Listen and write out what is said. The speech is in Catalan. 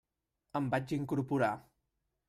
Em vaig incorporar.